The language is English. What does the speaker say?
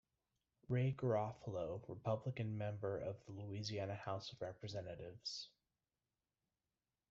Ray Garofalo, Republican member of the Louisiana House of Representatives.